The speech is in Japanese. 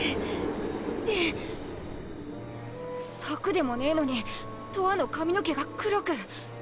朔でもねえのにとわの髪の毛が黒く。